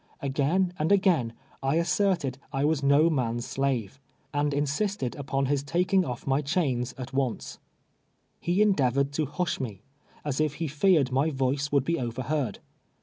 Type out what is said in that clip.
Again and again I asserted I was no man's slave, and insisted upon his taking oil my chains at once. He endeavored to hush me, as if he feared my voice would be overheard.